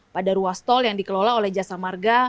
pada ruas tol yang dikelola oleh jasa marga